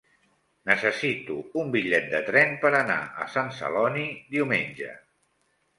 Necessito un bitllet de tren per anar a Sant Celoni diumenge.